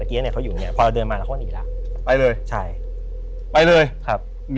อีกคนอีกคน